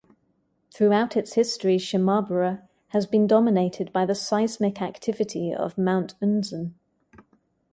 Throughout its history, Shimabara has been dominated by the seismic activity of Mount Unzen.